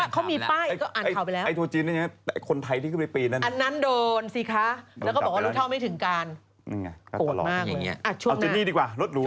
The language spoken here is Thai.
เขามีป้ายก็อ่านข่าวไปแล้ว